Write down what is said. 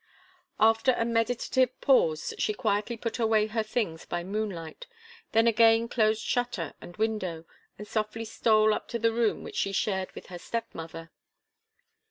After a meditative pause, she quietly put away her things by moonlight, then again closed shutter and window, and softly stole up to the room which she shared with her step mother.